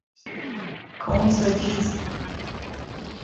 孔子弟子。